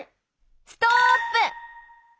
ストップ！